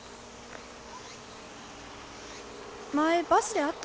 前バスで会ったよね。